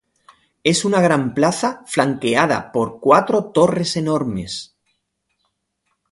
Es una gran plaza flanqueada por cuatro torres enormes.